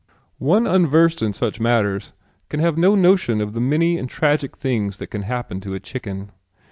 One unversed in such matters can have no notion of the many and tragic things that can happen to a chicken.